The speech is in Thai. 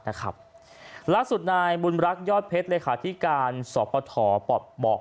ล่าสุดนายบุลรักษ์ยอดเพชรริฐฯการสอบพธบอก